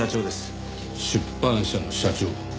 出版社の社長。